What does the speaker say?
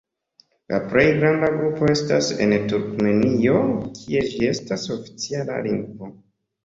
La plej granda grupo estas en Turkmenio kie ĝi estas oficiala lingvo.